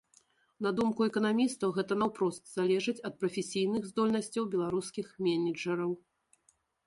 На думку эканамістаў, гэта наўпрост залежыць ад прафесійных здольнасцяў беларускіх менеджараў.